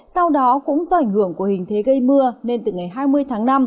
sau đó cũng do ảnh hưởng của hình thế gây mưa nên từ ngày hai mươi tháng năm